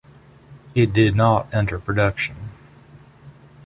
It did not enter production.